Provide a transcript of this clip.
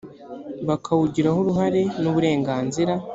bakawugiraho uruhare n uburenganzira